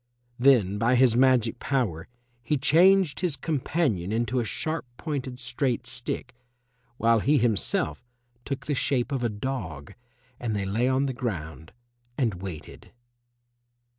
Then by his magic power he changed his companion into a sharp pointed straight stick, while he himself took the shape of a dog, and they lay on the ground and waited.